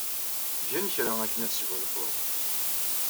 Gen kra akken ad tesgunfuḍ.